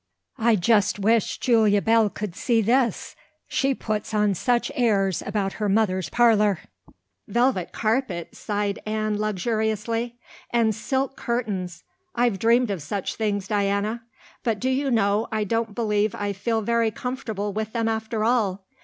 I just wish Julia Bell could see this she puts on such airs about her mother's parlor." "Velvet carpet," sighed Anne luxuriously, "and silk curtains! I've dreamed of such things, Diana. But do you know I don't believe I feel very comfortable with them after all.